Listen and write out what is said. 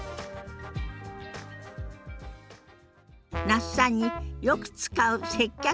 那須さんによく使う接客